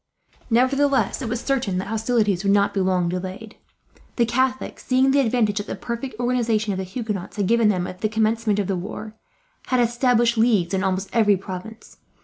Nevertheless, it was certain that hostilities would not be long delayed. The Catholics, seeing the advantage that the perfect organization of the Huguenots had given them at the commencement of the war, had established leagues in almost every province.